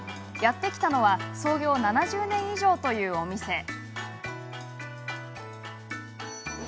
やって来たのは創業７０年以上というお店。